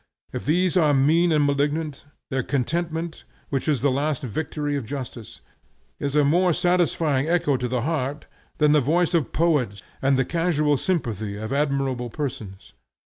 If these are mean and malignant, their contentment, which is the last victory of justice, is a more satisfying echo to the heart than the voice of poets and the casual sympathy of admirable persons.